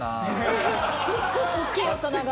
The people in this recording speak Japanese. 大きい大人が。